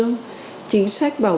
anh thổi liên tục